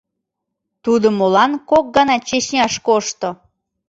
Тудо молан кок гана Чечняш кошто?!